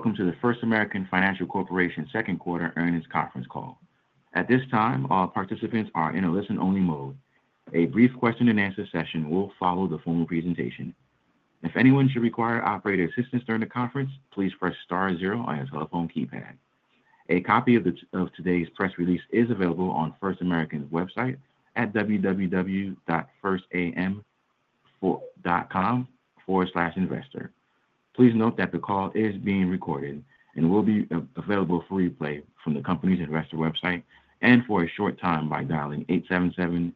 Greetings, and welcome to the First American Financial Corporation Second Quarter Earnings Conference Call. At this time, all participants are in a listen only mode. A brief question and answer session will follow the formal presentation. A copy of today's press release is available on First American's website at www.firstam.com/investor. Please note that the call is being recorded and will be available for replay from the company's investor website and for a short time by dialing (877)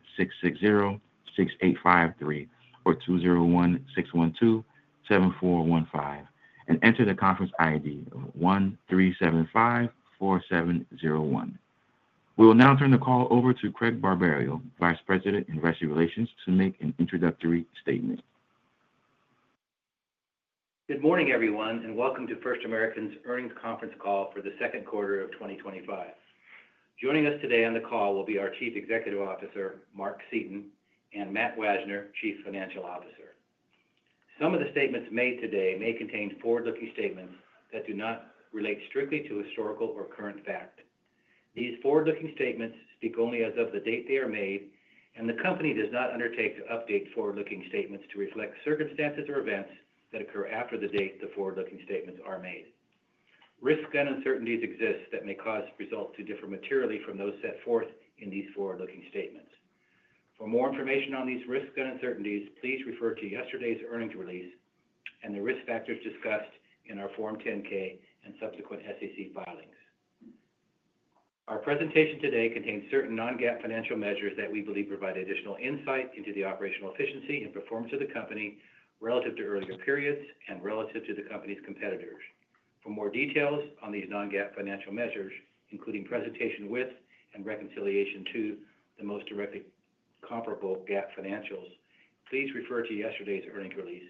660-6853 or (201) 612-7415 and enter the conference ID of 13754701. We will now turn the call over to Craig Barbario, Vice President, Investor Relations, to make an introductory statement. Good morning, everyone, and welcome to First American's earnings conference call for the second quarter of twenty twenty five. Joining us today on the call will be our Chief Executive Officer, Mark Seaton and Matt Wassner, Chief Financial Officer. Some of the statements made today may contain forward looking statements that do not relate strictly to historical or current fact. These forward looking statements speak only as of the date they are made, and the company does not undertake to update forward looking statements to reflect circumstances or events that occur after the date the forward looking statements are made. Risks and uncertainties exist that may cause results to differ materially from those set forth in these forward looking statements. For more information on these risks and uncertainties, please refer to yesterday's earnings release and the risk factors discussed in our Form 10 ks and subsequent SEC filings. Our presentation today contains certain non GAAP financial measures that we believe provide additional insight into the operational efficiency and performance of the company relative to earlier periods and relative to the company's competitors. For more details on these non GAAP financial measures, including presentation with and reconciliation to the most directly comparable GAAP financials, please refer to yesterday's earnings release,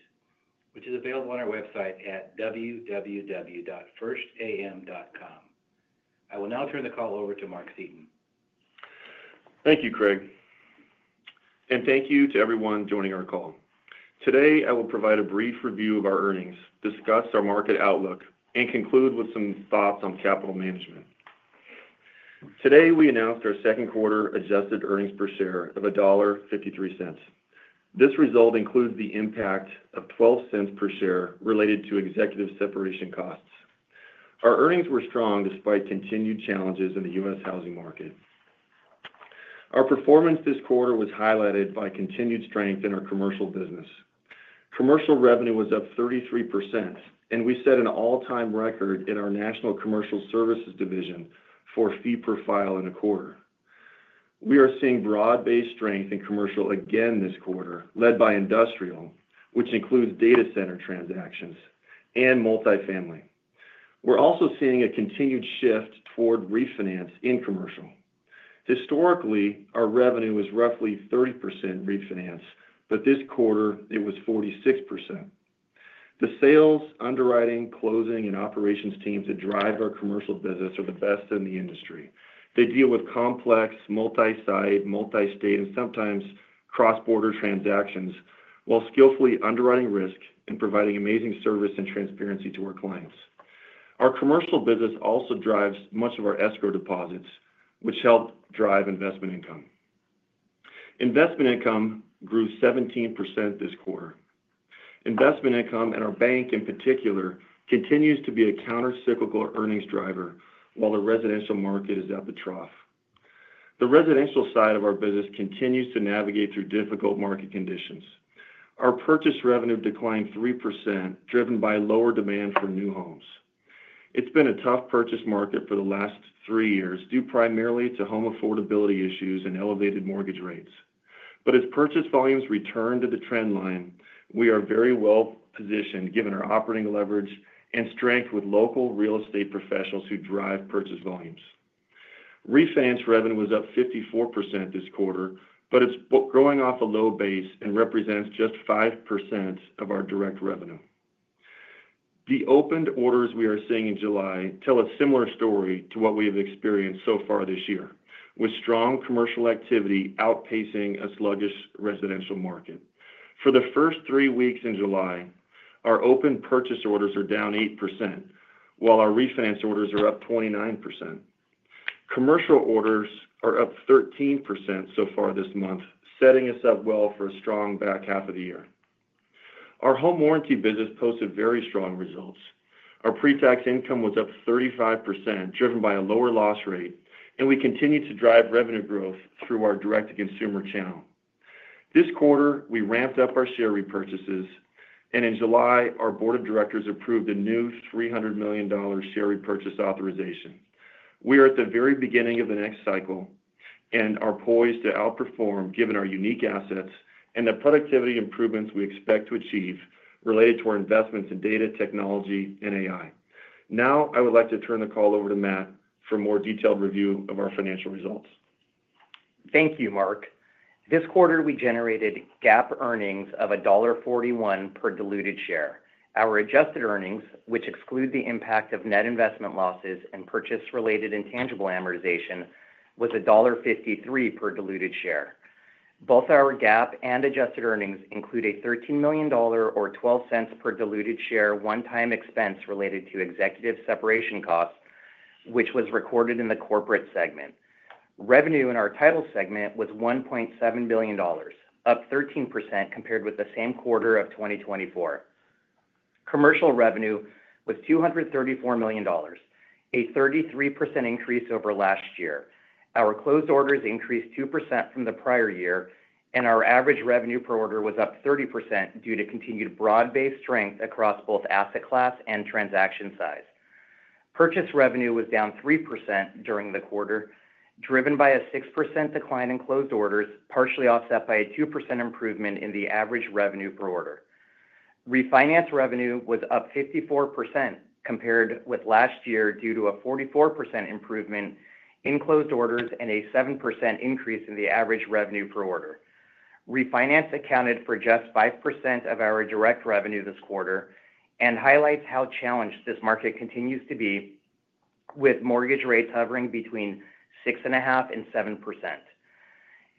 which is available on our website at www.firstam.com. I will now turn the call over to Mark Seaton. Thank you, Craig, and thank you to everyone joining our call. Today, I will provide a brief review of our earnings, discuss our market outlook and conclude with some thoughts on capital management. Today, we announced our second quarter adjusted earnings per share of $1.53 This result includes the impact of $0.12 per share related to executive separation costs. Our earnings were strong despite continued challenges in The U. S. Housing market. Our performance this quarter was highlighted by continued strength in our commercial business. Commercial revenue was up 33% and we set an all time record in our National Commercial Services division for fee per file in the quarter. We are seeing broad based strength in Commercial again this quarter led by Industrial, which includes data center transactions and multifamily. We're also seeing a continued shift toward refinance in Commercial. Historically, our revenue was roughly 30% refinance, but this quarter it was 46%. The sales, underwriting, closing and operations teams that drive our commercial business are the best in the industry. They deal with complex multi site, multi state and sometimes cross border transactions, while skillfully underwriting risk and providing amazing service and transparency to our clients. Our commercial business also drives much of our escrow deposits, which help drive investment income. Investment income grew 17% this quarter. Investment income in our bank in particular continues to be a countercyclical earnings driver, while the residential market is at the trough. The residential side of our business continues to navigate through difficult market conditions. Our purchase revenue declined 3% driven by lower demand for new homes. It's been a tough purchase market for the last three years due primarily to home affordability issues and elevated mortgage rates. But as purchase volumes return to the trend line, we are very well positioned given our operating leverage and strength with local real estate professionals who drive purchase volumes. Refinance revenue was up 54% this quarter, but it's growing off a low base and represents just 5% of our direct revenue. The opened orders we are seeing in July tell a similar story to what we have experienced so far this year with strong commercial activity outpacing a sluggish residential market. For the first three weeks in July, our open purchase orders are down 8%, while our refinance orders are up 29%. Commercial orders are up 13% so far this month, setting us up well for a strong back half of the year. Our home warranty business posted very strong results. Our pretax income was up 35% driven by a lower loss rate and we continue to drive revenue growth through our direct to consumer channel. This quarter we ramped up our share repurchases and in July our Board of Directors approved a new $300,000,000 share repurchase authorization. We are at the very beginning of the next cycle and are poised to outperform given our unique assets and the productivity improvements we expect to achieve related to our investments in data technology and AI. Now I would like to turn the call over to Matt for a more detailed review of our financial results. Thank you, Mark. This quarter we generated GAAP earnings of $1.41 per diluted share. Our adjusted earnings, which exclude the impact of net investment losses and purchase related intangible amortization was $1.53 per diluted share. Both our GAAP and adjusted earnings include a $13,000,000 or $0.12 per diluted share one time expense related to executive separation costs, which was recorded in the corporate segment. Revenue in our title segment was $1,700,000,000 up 13% compared with the same quarter of 2024. Commercial revenue was $234,000,000 a 33% increase over last year. Our closed orders increased 2% from the prior year and our average revenue per order was up 30% due to continued broad based strength across both asset class and transaction size. Purchase revenue was down 3% during the quarter, driven by a 6% decline in closed orders, partially offset by a 2% improvement in the average revenue per order. Refinance revenue was up 54% compared with last year due to a 44% improvement in closed orders and a 7% increase in the average revenue per order. Refinance accounted for just 5% of our direct revenue this quarter and highlights how challenged this market continues to be with mortgage rates hovering between 6.57%.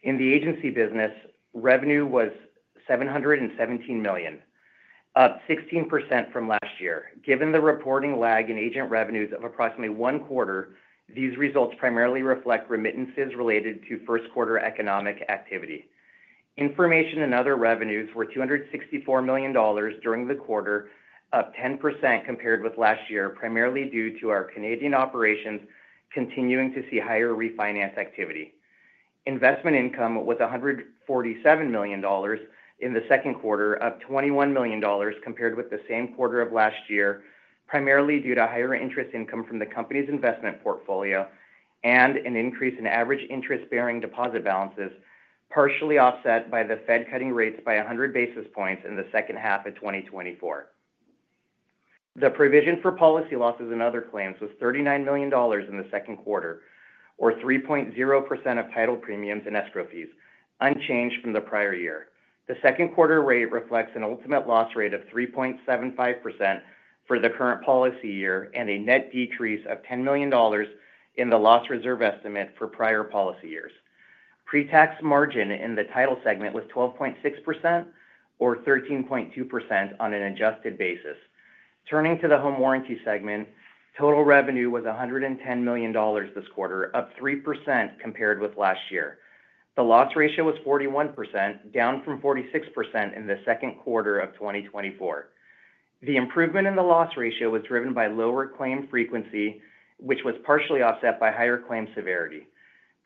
In the agency business, revenue was $717,000,000 up 16% from last year. Given the reporting lag in agent revenues of approximately one quarter, these results primarily reflect remittances related to first quarter economic activity. Information and other revenues were $264,000,000 during the quarter, up 10% compared with last year, primarily due to our Canadian operations continuing to see higher refinance activity. Investment income was $147,000,000 in the second quarter, up $21,000,000 compared with the same quarter of last year, primarily due to higher interest income from the company's investment portfolio and an increase in average interest bearing deposit balances, partially offset by the Fed cutting rates by 100 basis points in the second half of twenty twenty four. The provision for policy losses and other claims was $39,000,000 in the second quarter or 3% of title premiums and escrow fees, unchanged from the prior year. The second quarter rate reflects an ultimate loss rate of 3.75% for the current policy year and a net decrease of $10,000,000 in the loss reserve estimate for prior policy years. Pretax margin in the title segment was 12.6% or 13.2% on an adjusted basis. Turning to the home warranty segment, total revenue was $110,000,000 this quarter, up 3% compared with last year. The loss ratio was 41%, down from 46% in the second quarter of twenty twenty four. The improvement in the loss ratio was driven by lower claim frequency, which was partially offset by higher claim severity.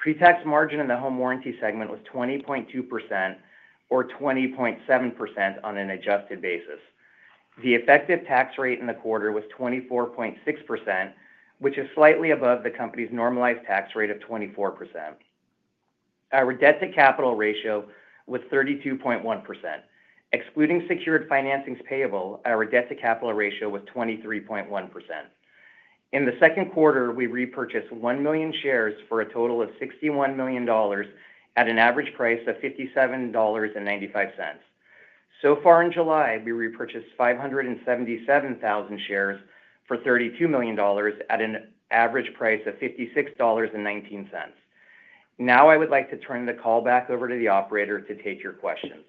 Pretax margin in the home warranty segment was 20.2% or 20.7% on an adjusted basis. The effective tax rate in the quarter was 24.6%, which is slightly above the company's normalized tax rate of 24%. Our debt to capital ratio was 32.1%. Excluding secured financings payable, our debt to capital ratio was 23.1%. In the second quarter, we repurchased 1,000,000 shares for a total of $61,000,000 at an average price of $57.95 So far in July, we repurchased 577,000 shares for $32,000,000 at an average price of $56.19 Now I would like to turn the call back over to the operator to take your questions.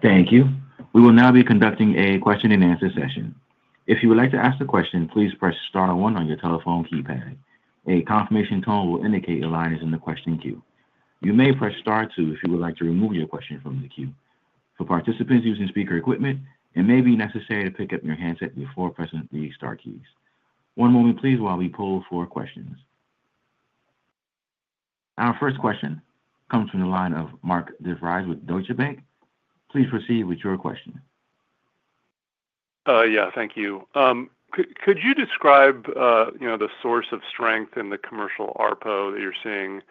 Thank you. We will now be conducting a question and answer session. Our first question comes from the line of Mark DeVries with Deutsche Bank. Please proceed with your question. Yeah. Thank you. Could you describe the source of strength in the commercial ARPO that you're seeing?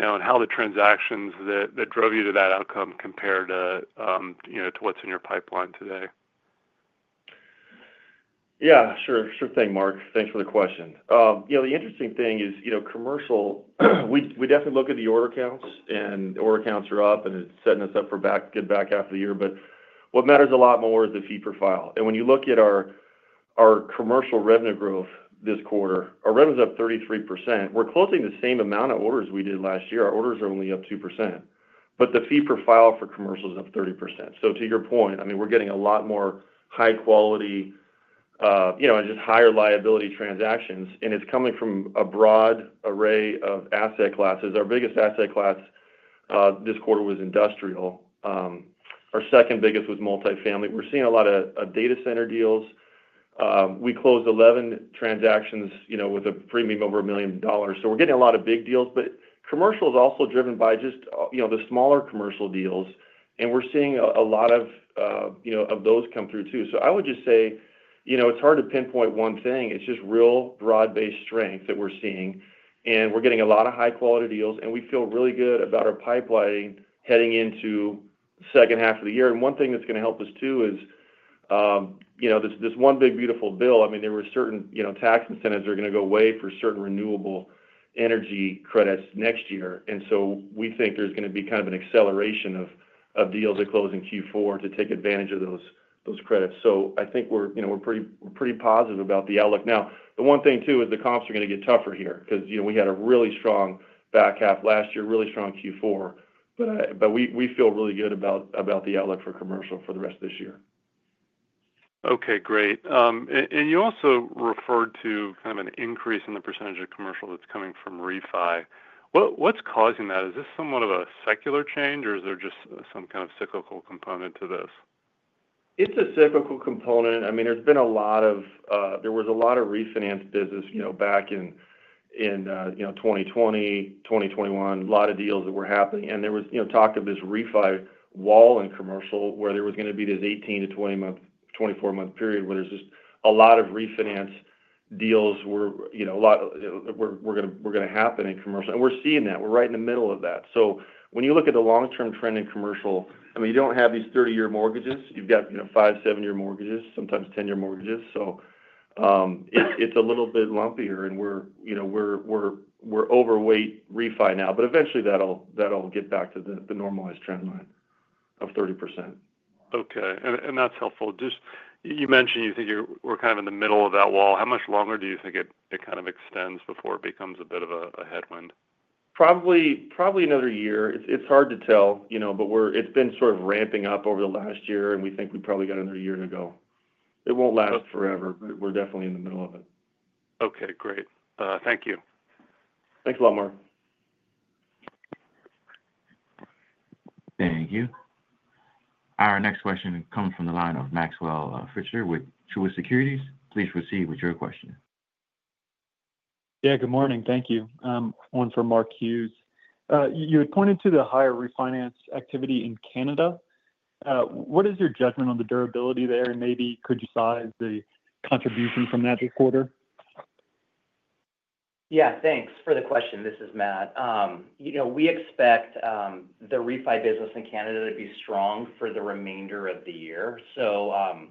And how the transactions that drove you to that outcome compared to what's in your pipeline today? Yes. Sure. Sure thing, Mark. Thanks for the question. The interesting thing is commercial, we definitely look at the order counts and order counts are up and it's setting us up for good back half of the year. But what matters a lot more is the fee per file. And when you look at our commercial revenue growth this quarter, our revenue is up 33%. We're closing the same amount of orders we did last year. Our orders are only up 2%. But the fee per file for Commercial is up 30%. So to your point, I mean, we're getting a lot more high quality and just higher liability transactions. And it's coming from a broad array of asset classes. Our biggest asset class this quarter was Industrial. Our second biggest was Multifamily. We're seeing a lot of data center deals. We closed 11 transactions with a premium over $1,000,000 So we're getting a lot of big deals. But commercial is also driven by just the smaller commercial deals and we're seeing a lot of those come through too. So I would just say it's hard to pinpoint one thing. It's just real broad based strength that we're seeing. And we're getting a lot of high quality deals and we feel really good about our pipeline heading into second half of the year. And one thing that's going to help us too is, this one big beautiful bill, I mean, there were certain tax incentives that are going to go away for certain renewable energy credits next year. And so we think there's going to be kind of an acceleration of deals that close in Q4 to take advantage of those credits. So I think we're pretty positive about the outlook now. One thing too is the comps are going to get tougher here because we had a really strong back half last year, really strong Q4. But we feel really good about the outlook for Commercial for the rest of this year. Okay, great. And you also referred to an increase in the percentage of commercial that's coming from refi. What's causing that? Is this somewhat of a secular change? Or is there just some kind of cyclical component to this? It's a cyclical component. I mean, there's been a lot of there was a lot of refinance business back in 2020, 2021, a lot of deals that were happening. And there was talk of this refi wall in commercial where there was going to be this eighteen to twenty month twenty four month period where there's just a lot of refinance deals were lot we're happen going in commercial. And we're seeing that. We're right in the middle of that. So when you look at the long term trend in commercial, mean you don't have these thirty year mortgages. You've got five, mortgages, sometimes ten year mortgages. So it's a little bit lumpier and we're overweight refi now. But eventually that will get back to the normalized trend line of 30%. Okay. And that's helpful. Just you mentioned you think you're we're kind of in the middle of that wall. How much longer do you think it kind of extends before it becomes a bit of a headwind? Probably another year. It's hard to tell, but we're it's been sort of ramping up over the last year and we think we probably got another year to go. It won't last forever, but we're definitely in the middle of it. Our next question comes from the line of Maxwell Fritzsche with Truist Securities. One for Mark Hughes. You had pointed to the higher refinance activity in Canada. What is your judgment on the durability there? And maybe could you size the contribution from that this quarter? Yes. Thanks for the question. This is Matt. We expect the refi business in Canada to be strong for the remainder of the year. So,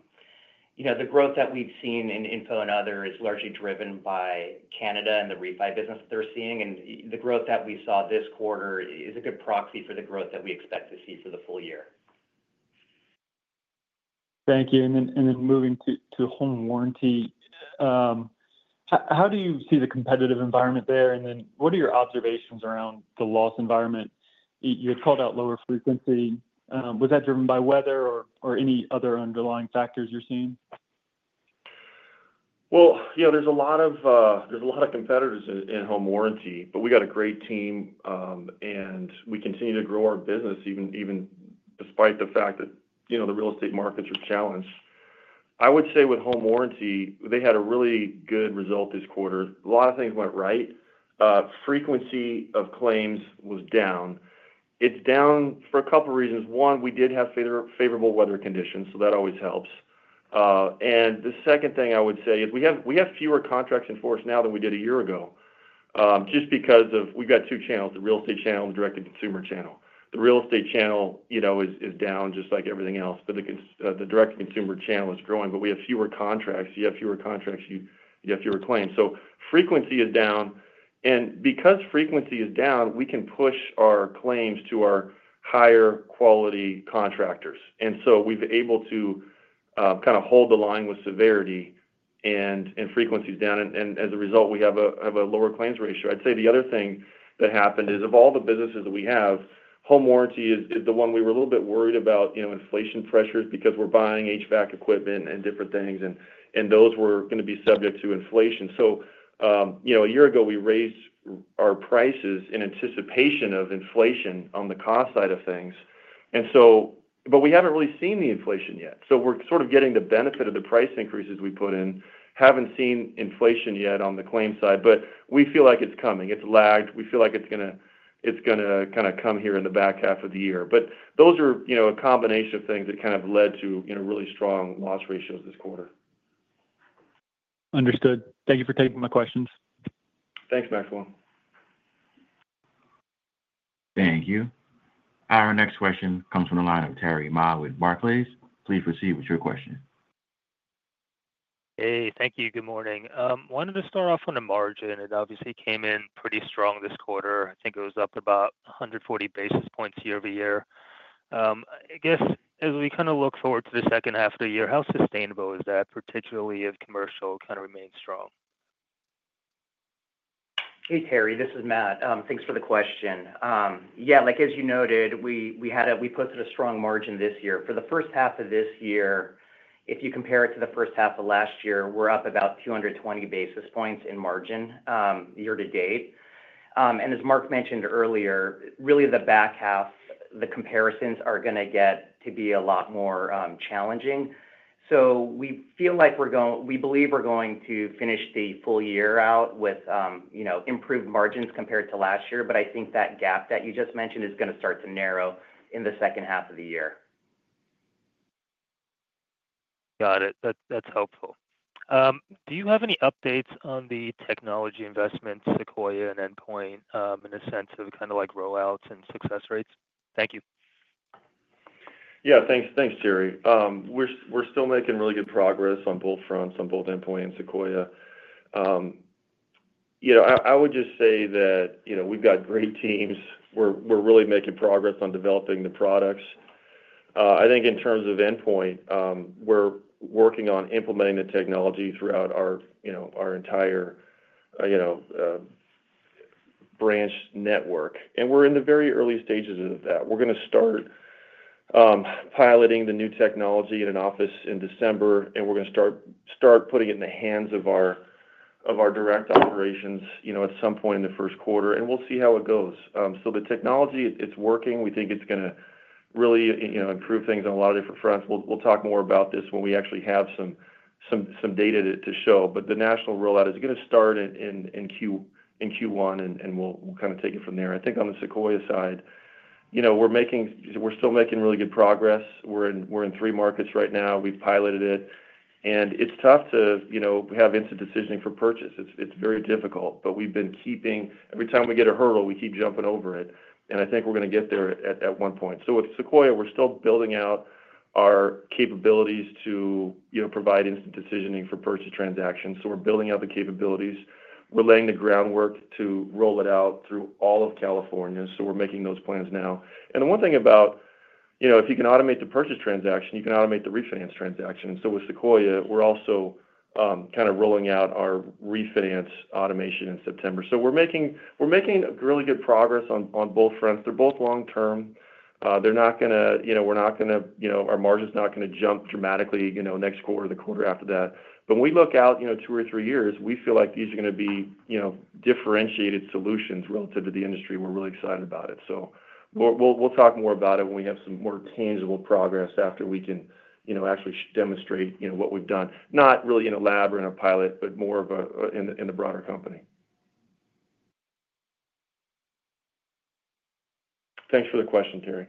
you know, the growth that we've seen in info and other is largely driven by Canada and the refi business they're seeing. And the growth that we saw this quarter is a good proxy for the growth that we expect expect to see for the full year. Thank you. And then moving to home warranty. How do you see the competitive environment there? And then what are your observations around the loss environment? You had called out lower frequency. Was that driven by weather or any other underlying factors you're seeing? Well, there's a lot of competitors in home warranty, but we got a great team and we continue to grow our business even despite the fact that the real estate markets are challenged. I would say with home warranty, they had a really good result this quarter. A lot of things went right. Frequency of claims was down. It's down for a couple of reasons. One, we did have favorable weather conditions, so that always helps. And the second thing I would say is we have fewer contracts in force now than we did a year ago just because of we've got two channels, the real estate channel and direct to consumer channel. The real estate channel is down just like everything else, but the direct to consumer channel is growing, but we have fewer contracts, you have fewer contracts, have fewer claims. So frequency is down. And because frequency is down, we can push our claims to our higher quality contractors. And so we've able to kind of hold the line with severity and frequency is down. And as a result, we have a lower claims ratio. I'd say the other thing that happened is of all the businesses that we have, home warranty is the one we were a little bit worried about inflation pressures because we're buying HVAC equipment and different things and those were going to be subject to inflation. A year ago we raised our prices in anticipation of inflation on the cost side of things. And so but we haven't really seen the inflation yet. So we're sort of getting the benefit of the price increases we put in. Haven't seen inflation yet on the claim side, but we feel like it's coming. It's lagged. We feel like it's going to kind of come here in the back half of the year. But those are a combination of things that kind of led to really strong loss ratios this quarter. Understood. Thank you for taking my questions. Thanks, Maxwell. Thank you. Our next question comes from the line of Terry Ma with Barclays. Please proceed with your question. Hey, thank you. Good morning. Wanted to start off on the margin. It obviously came in pretty strong this quarter. I think it was up about 140 basis points year over year. I guess as we kind of look forward to the second half of the year, how sustainable is that particularly if commercial kind of remains strong? Terry, this is Matt. Thanks for the question. Yes, like as you noted, we had a we put in a strong margin this year. For the first half of this year, if you compare it to the first half of last year, we're up about 220 basis points in margin, year to date. And as Mark mentioned earlier, really the back half, the comparisons are gonna get to be a lot more, challenging. So we feel like we're going we believe we're going to finish the full year out with, you know, improved margins compared to last year. But I think that gap that you just mentioned is gonna start to narrow in the second half of the year. Got it. That's helpful. Do you have any updates on the technology investments Sequoia and Endpoint, in a sense of kind of like rollouts and success rates? Thank you. Yeah. Thanks, Jerry. We're still making really good progress on both fronts on both endpoint and Sequoia. I would just say that we've got great teams. We're really making progress on developing the products. I think in terms of endpoint, we're working on implementing the technology throughout our entire branch network. And we're in the very early stages of that. We're going to start piloting the new technology in an office in December and we're going to start putting it in the hands of our direct operations at some point in the first quarter and we'll see how it goes. So the technology, it's working. We think it's going to really improve things on a lot of different fronts. We'll talk more about this when we actually have some data to show. But the national rollout is going to start in Q1 and we'll kind of take it from there. I think on the Sequoia side, we're making we're still making really good progress. We're three markets right now. We've piloted it. And it's tough to have instant decisioning for purchase. It's very difficult. But we've been keeping every time we get a hurdle, we keep jumping over it. And I think we're going to get there at one point. So with Sequoia, we're still building out our capabilities to provide instant decisioning for purchase transactions. So we're building out the capabilities. We're laying the groundwork to roll it out through all of California. So we're making those plans now. And the one thing about if you can automate the purchase transaction, you can automate the refinance transaction. So with Sequoia, we're also kind of rolling out our refinance automation in September. So we're making really good progress on both fronts. They're both long term. They're not going to we're not going to our margin is not going to jump dramatically next quarter or the quarter after that. But we look out two or three years, we feel like these are going to be differentiated solutions relative to the industry. We're really excited about it. So we'll talk more about it when we have some more tangible progress after we actually demonstrate what we've done. Not really in a lab or in a pilot, but more of in broader company. Thanks for the question, Terry.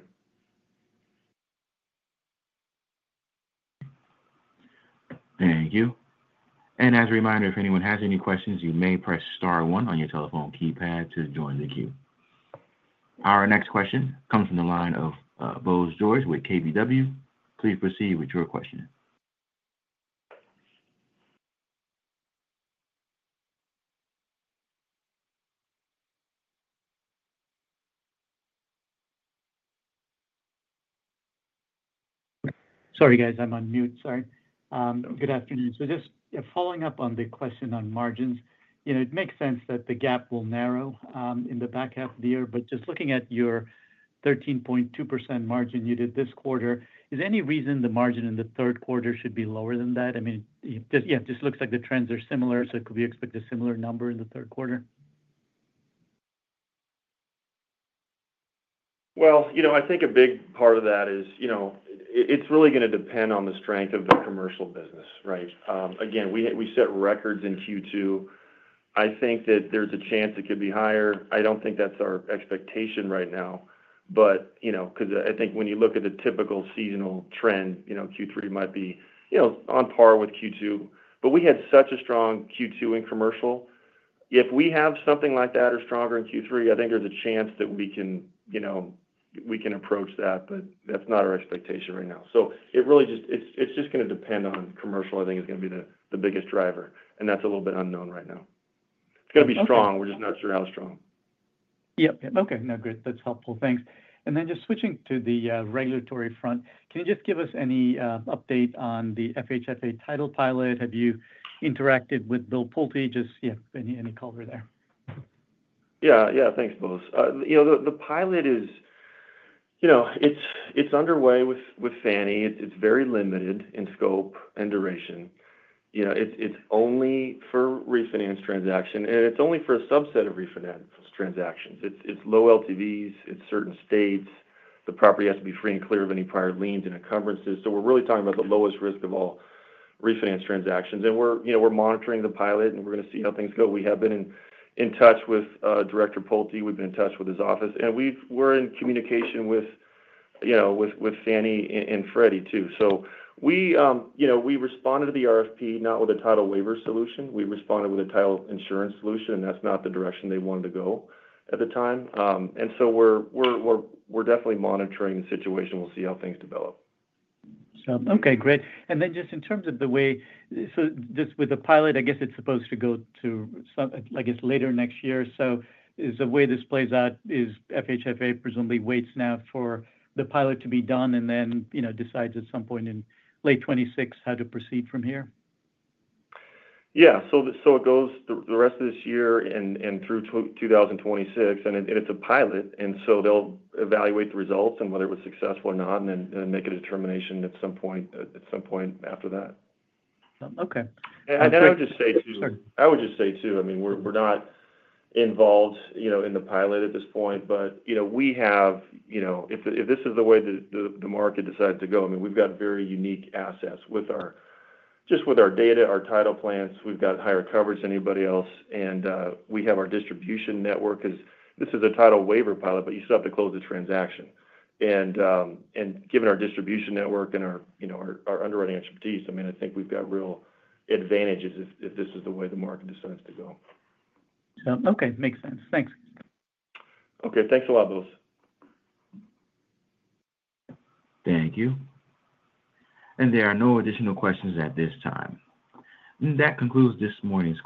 Thank you. Our next question comes from the line of Bose George with KBW. Please proceed with your question. Sorry guys, I'm on mute. Sorry. Good afternoon. So just following up on the question on margins, it makes sense that the gap will narrow in the back half of the year. But just looking at your 13.2% margin you did this quarter, is there any reason the margin in the third quarter should be lower than that? I mean, yes, this looks like the trends are similar. So could we expect a similar number in the third quarter? Well, I think a big part of that is it's really going to depend on the strength of the commercial business, right? Again, we set records in Q2. I think that there's a chance it could be higher. I don't think that's our expectation right now. But because I think when you look at the typical seasonal trend, Q3 might be on par with Q2. But we had such a strong Q2 in commercial. If we have something like that or stronger in Q3, I think there's a chance that we can approach that, but that's not our expectation right now. So it really just it's just going to depend on commercial, I think, going to be the biggest driver. And that's a little bit unknown right now. It's going be strong. We're just not sure how strong. Yes. Okay. No, great. That's helpful. Thanks. And then just switching to the regulatory front. Can you just give us any update on the FHFA title pilot? Have you interacted with Bill Pulte? Just any color there? Yes. Thanks, Bose. The pilot is underway with Fannie. It's very limited in scope and duration. It's only for refinance transaction and it's only for a subset of refinance transactions. It's low LTVs in certain states. The property has to be free and clear of any prior liens and encumbrances. So we're really talking about the lowest risk of all refinance transactions. And we're monitoring the pilot and we're going to see how things go. We have been in touch with Director Pulte. We've been in touch with his office and we were in communication with Fannie and Freddie too. So we responded to the RFP not with a title waiver solution. We responded with a title insurance solution and that's not the direction they wanted to go at the time. And so we're definitely monitoring the situation. We'll see how things develop. Okay, great. And then just in terms of the way so just with the pilot, I guess it's supposed to go to I guess later next year. So is the way this plays out is FHFA presumably waits now for the pilot to be done and then decides at some point in late twenty twenty six how to proceed from here? Yeah. So it goes the rest of this year and through 2026 and it's a pilot and so they'll evaluate the results and whether it was successful or not and make a determination at some point after that. Okay. Then I would just say too, mean, we're we're not involved, you know, in the pilot at this point, but, you know, we have, you know, if if this is the way the the market decided to go, I mean, we've got very unique assets with our just with our data, our title plans, we've got higher coverage than anybody else. And we have our distribution network because this is a title waiver pilot, but you still have to close the transaction. And given our distribution network and our underwriting expertise, I mean, I think we've got real advantages if this is the way the market decides to go. Okay. Makes sense. Thanks. Okay. Thanks a lot, Bose. Thank you. And there are no additional questions at this time. That concludes this morning's